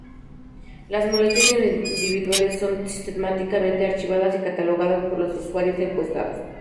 Las molestias individuales son sistemáticamente archivadas y catalogadas por los usuarios y los encuestados.